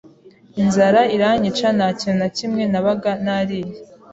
inzara iranyica nta kintu na kimwe nabaga nariye